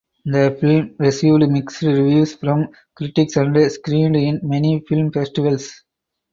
The film received mixed reviews from critics and screened in many film festivals.